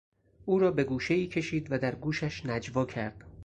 او را به گوشهای کشید و در گوشش نجوا کرد.